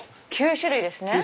９種類ですね。